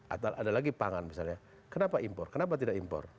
atau ada lagi pangan misalnya kenapa impor kenapa tidak impor